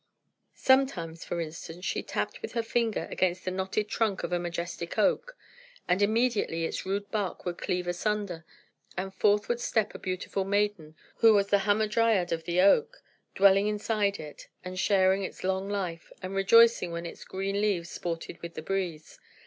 Sometimes, for instance, she tapped with her finger against the knotted trunk of a majestic oak; and immediately its rude bark would cleave asunder, and forth would step a beautiful maiden, who was the hamadryad of the oak, dwelling inside of it, and sharing its long life, and rejoicing when its green leaves sported with the breeze.